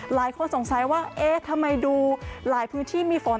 หลายคนสงสัยว่าเอ๊ะทำไมดูหลายพื้นที่มีฝน